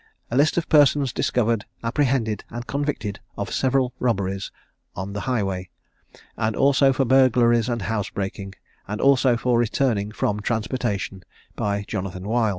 "A List of persons discovered, apprehended, and convicted of several robberies on the highway; and also for burglaries and housebreaking; and also for returning from transportation; by Jonathan Wild."